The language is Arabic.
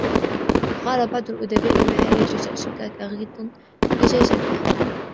وَقَالَ بَعْضُ الْأُدَبَاءِ مَا هَيَّجَ جَأْشَك كَغَيْظٍ أَجَاشَكَ